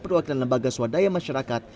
perwakilan lembaga swadaya masyarakat